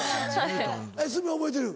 鷲見覚えてる？